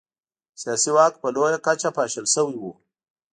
سیاسي واک په لویه کچه پاشل شوی و.